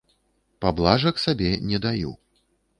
Паблажак сабе не даю.